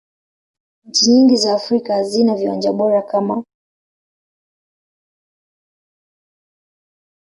nchi nyingi za afrika hazina viwanja bora kama kwa mkapa